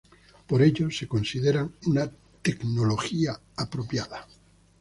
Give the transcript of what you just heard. Por ello se consideran una "tecnología apropiada".